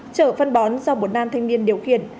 chở phân bón do một nam thanh niên điều khiển